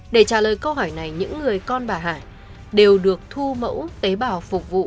để trả lời câu hỏi này những người con bà hải đều được thu mẫu tế bào phục vụ